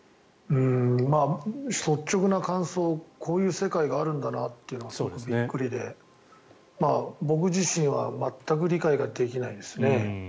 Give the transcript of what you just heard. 率直な感想こういう世界があるんだなとすごくびっくりで僕自身は全く理解ができないですね。